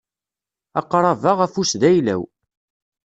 Aqrab-a ufus d ayla-w.